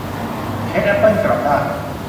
เค้กแอปเปิ้ลกลับด้าน